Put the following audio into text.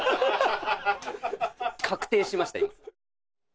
確定しました、今。